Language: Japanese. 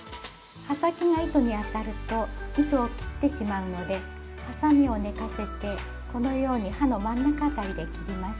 刃先が糸に当たると糸を切ってしまうのではさみを寝かせてこのように刃の真ん中辺りで切ります。